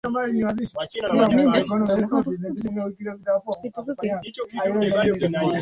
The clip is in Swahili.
masikio Nywele kisha husukwa inagawanyishwa katika sehemu ndogo na kusongwa kwanza ikiwa imetenganishwa halafu